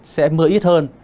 sẽ mưa ít hơn